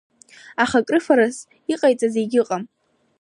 Аха крыфарас иҟасҵаз егьыҟам.